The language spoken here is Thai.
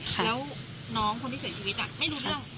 แล้วน้องคนที่เสียชีวิตไม่รู้เรื่อง